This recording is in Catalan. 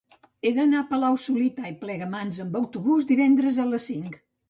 He d'anar a Palau-solità i Plegamans amb autobús divendres a les cinc.